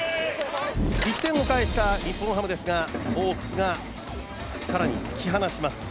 １点を返した日本ハムなんですが、ホークスが更に突き放します。